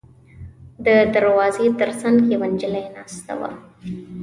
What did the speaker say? د دروازې تر څنګ یوه نجلۍ ناسته وه.